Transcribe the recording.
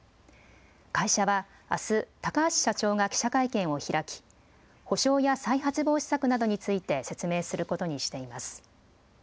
会社は、あす高橋社長が記者会見を開き補償や再発防止策などについて説明することにしています。